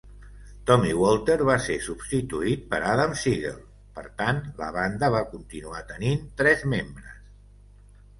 Tommy Walter va ser substituït per Adam Siegel, per tant la banda va continuar tenint tres membres.